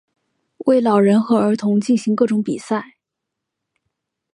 为老人和儿童进行各种比赛。